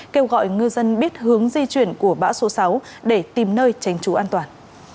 kêu gọi ngư dân biết hướng di chuyển của bão số sáu để tìm nơi tránh trú an toàn